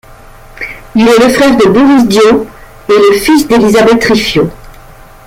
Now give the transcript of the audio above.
Il est le frère de Boris Diaw et le fils d'Elisabeth Riffiod.